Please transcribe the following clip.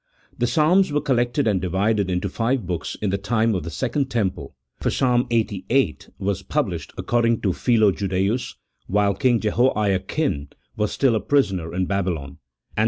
The Psalms were collected and divided into five books in the time of the second temple, for Ps. lxxxviii. was published, according to Philo Judaeus, while king Jehoiachin was still a prisoner in Babylon ; and Ps.